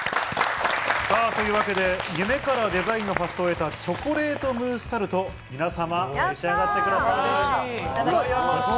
夢からデザインの発想を得たチョコレートムースタルト、皆様お召し上がってください。